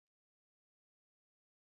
د سپیدار ونې د لرګیو لپاره ښې دي؟